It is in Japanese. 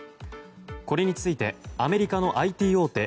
これについてアメリカのＩＴ大手